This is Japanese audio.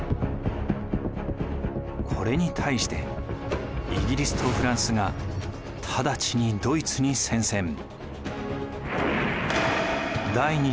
これに対してイギリスとフランスが直ちにドイツに宣戦。